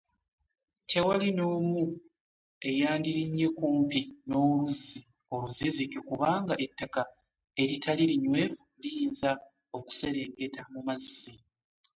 Tewali n'omu eyandirinnye kumpi n'oluzzi oluzizike kubanga ettaka eritali linywevu liyinza okuserengeta mu mazzi.